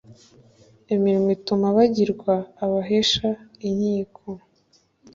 imirimo ituma bagirwa abahesha inkiko